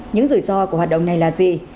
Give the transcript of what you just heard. những rủi ro của hoạt động này là gì